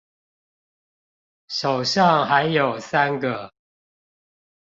手上還有三個